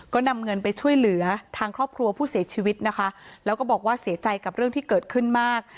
ก็นำเงินไปช่วยเหลือทางครอบครัวผู้เสียชีวิตนะคะแล้วก็บอกว่าเสียใจกับเรื่องที่เกิดขึ้นมาก